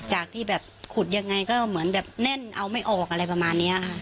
จากที่ขุดยังไงก็แน่นเอาไม่ออกอะไรประมาณนี้